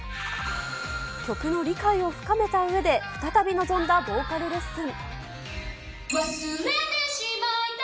曲の理解を深めたうえで、再び臨んだボーカルレッスン。